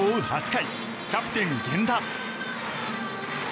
８回キャプテン、源田。